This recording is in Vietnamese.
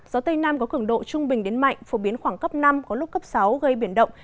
gió tây nam có cường độ trung bình đến mạnh phổ biến khoảng cấp năm có lúc cấp sáu gây biển động